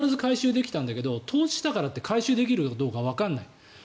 今までだったら投資した分は必ず回収できたんだけど投資したからって回収できるかどうかわからない。